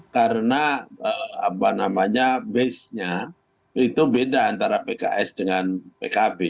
karena apa namanya base nya itu beda antara pks dengan pkb